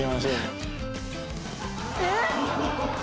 えっ！？